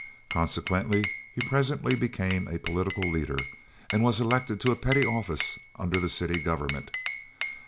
Consequently he presently became a political leader, and was elected to a petty office under the city government.